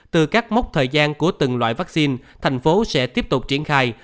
từ các mốc thời gian của từng loại vaccine thành phố sẽ tiếp tục triển khai